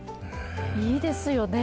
いいですよね。